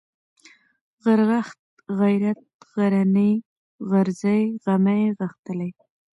غرغښت ، غيرت ، غرنى ، غرزی ، غمی ، غښتلی